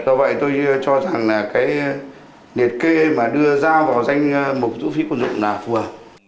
do vậy tôi cho rằng là cái liệt kê mà đưa giao vào danh một vũ khí quần dụng là vừa